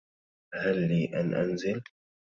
هل لي أن أنزل؟